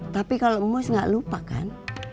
tapi kalau ibus gak lupa kan